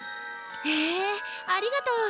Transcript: へえありがとう。